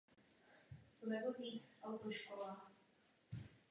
Účastnil se řady mezinárodních kongresů.